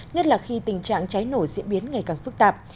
nhất là khi tình trạng cháy nổ diễn biến ngày càng phức tạp